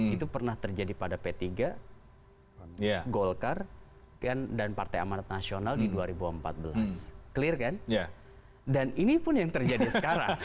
itu pernah terjadi pada p tiga golkar dan partai amarat nasional di dua ribu empat belas clear kan dan ini pun yang terjadi sekarang